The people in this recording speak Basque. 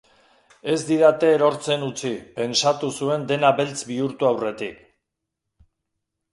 Ez didate erortzen utzi, pentsatu zuen dena beltz bihurtu aurretik.